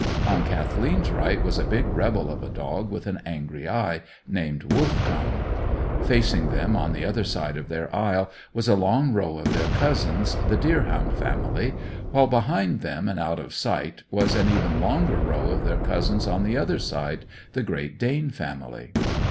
On Kathleen's right was a big rebel of a dog with an angry eye, named Wolf Tone. Facing them, on the other side of their aisle, was a long row of their cousins, the Deerhound family; while behind them, and out of sight, was an even longer row of their cousins on the other side: the Great Dane family.